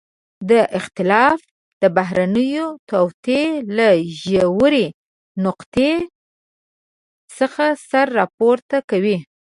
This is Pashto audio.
دا اختلاف د بهرنيو توطئو له ژورې نقطې څخه سر راپورته کوي.